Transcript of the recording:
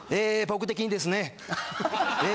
僕的にですねえ